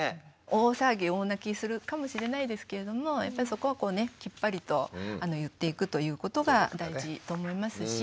大騒ぎ大泣きするかもしれないですけれどもやっぱりそこはこうねきっぱりと言っていくということが大事と思いますし。